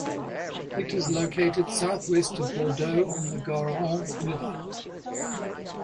It is located southwest of Bordeaux on the Garonne river.